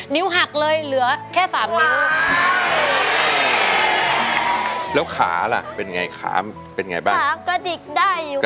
หักเลยเหลือแค่สามนิ้วแล้วขาล่ะเป็นไงขาเป็นไงบ้างขากระดิกได้อยู่